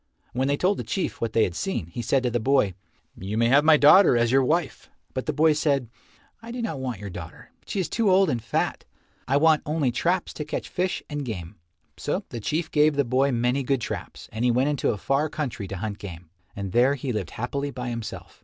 When they told the Chief what they had seen, he said to the boy, "You may have my daughter as your wife." But the boy said, "I do not want your daughter. She is too old and fat. I want only traps to catch fish and game." So the Chief gave the boy many good traps, and he went into a far country to hunt game, and there he lived happily by himself.